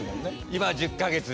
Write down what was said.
今１０か月で。